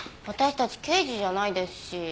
私たち刑事じゃないですし。